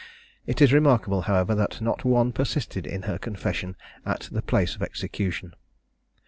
It is remarkable, however, that not one persisted in her confession at the place of execution.